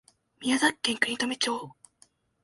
宮崎県国富町